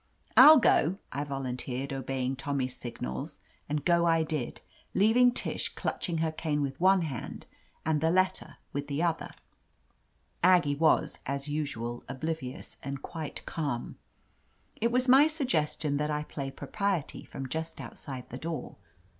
I'll go," I volunteered, obeying Tommy's signals, and go I did, leaving Tish clutching her cane with one hand and the letter with the 120 «T>1 OF LETITIA CARBERRY other! Aggie was, as usual, oblivious and quite calm. It was my suggestion that I play propriety from just outside the door.